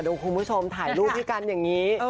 เขาคือมุษมท์ถ่ายรูปให้กันอย่างนี้